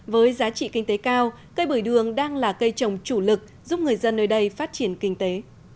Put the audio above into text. với giá trị kinh tế cao cây bưởi đường đang là cây trồng chủ lực giúp người dân nơi đây phát triển kinh tế